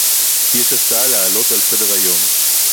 יש הצעה להעלות על סדר-היום